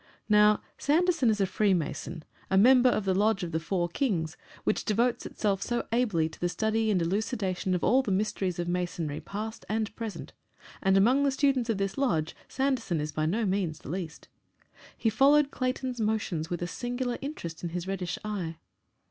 Now, Sanderson is a Freemason, a member of the lodge of the Four Kings, which devotes itself so ably to the study and elucidation of all the mysteries of Masonry past and present, and among the students of this lodge Sanderson is by no means the least. He followed Clayton's motions with a singular interest in his reddish eye.